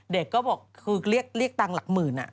เด็กก็บอกคือเรียกตังค์หลักหมื่น